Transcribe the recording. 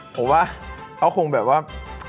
ผมว่าเขาคงแบบว่า